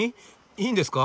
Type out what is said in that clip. いいんですか？